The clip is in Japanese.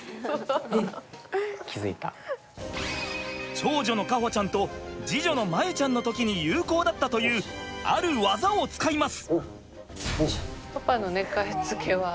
長女の香帆ちゃんと次女の真優ちゃんの時に有効だったというある技を使います！